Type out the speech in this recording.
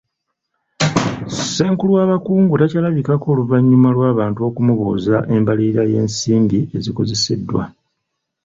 Ssenkulu w'abakungu takyalabikako oluvanyuma lw'abantu okumubuuza embalirira y'ensimbi ezikozeseddwa.